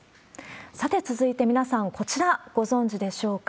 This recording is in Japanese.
さて、続いて、皆さん、こちら、ご存じでしょうか。